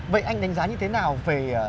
vậy anh đánh giá như thế nào về